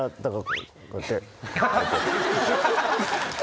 こうやって。